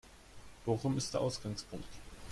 Bochum ist der Ausgangspunkt.